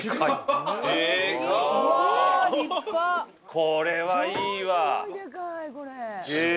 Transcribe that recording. これはいいわ。